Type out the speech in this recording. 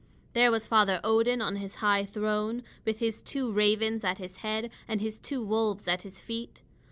There was Father Odin on his high throne, with his two ravens at his head and his two wolves at his feet.